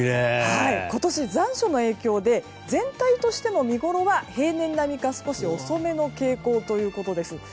今年、残暑の影響で全体としての見ごろは平年並みか少し遅めの傾向ということです。